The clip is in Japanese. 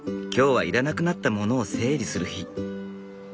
今日は要らなくなったものを整理する日。